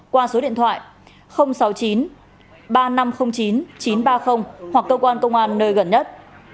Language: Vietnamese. qua số điện thoại sáu mươi chín ba nghìn năm trăm linh chín chín trăm ba mươi hoặc cơ quan công an nơi gần nhất